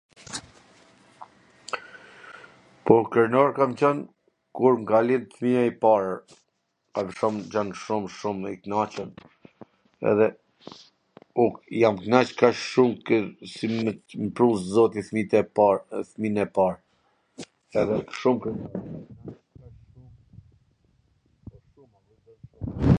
Po, krenar kam qwn kur m ka lind fmija i par, kam qwn shum shum i knaqun edhe un jam knaq kaq shum si mw pru zoti fmijt e par, fmijn e par...